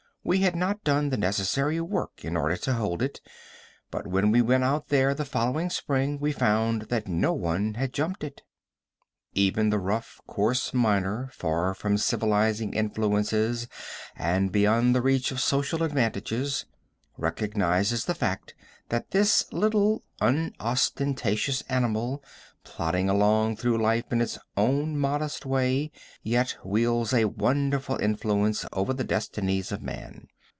We had not done the necessary work in order to hold it, but when we went out there the following spring we found that no one had jumped it. Even the rough, coarse miner, far from civilizing influences and beyond the reach of social advantages, recognizes the fact that this Little, unostentatious animal plodding along through life in its own modest way, yet wields a wonderful influence over the destinies of man.